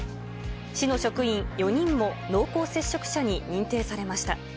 市の職員４人も濃厚接触者に認定されました。